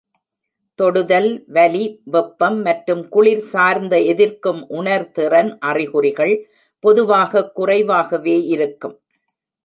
தொடுதல், வலி, வெப்பம் மற்றும் குளிர் சார்ந்த எதிர்க்கும் உணர்திறன் அறிகுறிகள் பொதுவாக குறைவாகவே இருக்கும்.